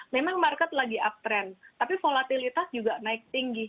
memang market lagi uptrend tapi volatilitas juga naik tinggi